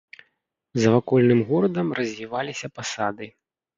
За вакольным горадам развіваліся пасады.